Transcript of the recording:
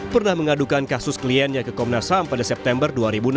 pernah mengadukan kasus kliennya ke komnas ham pada september dua ribu enam belas